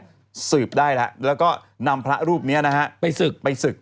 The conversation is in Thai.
ดูสึกได้แล้วก็นำพระรูปนี้ไปสืบ